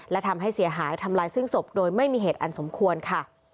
และทำให้เสียหายทำลายซึ่งศพโดยไม่มีเหตุอันสมควรค่ะ